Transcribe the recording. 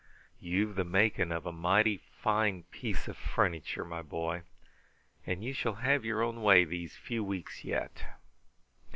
You've the making of a mighty fine piece of furniture, my boy, and you shall have your own way these few weeks yet.